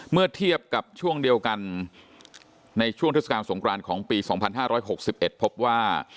เมื่อเทียบกับช่วงเดียวกันในช่วงเทศกาลสงครานของปี๒๕๖๑พบว่า